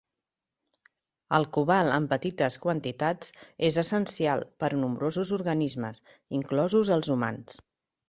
El cobalt en petites quantitats és essencial per a nombrosos organismes, inclosos els humans.